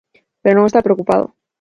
Pero non está preocupado.